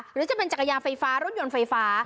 หรือจะเป็นจักรยานไฟฟ้ารถยนต์ไฟฟ้า